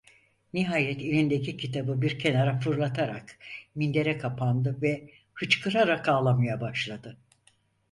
Nihayet elindeki kitabı bir kenara fırlatarak mindere kapandı ve hıçkırarak ağlamaya başladı.